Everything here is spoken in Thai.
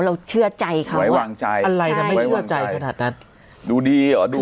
เชื่อใจเขาไว้วางใจอะไรนะไม่เชื่อใจขนาดนั้นดูดีเหรอดู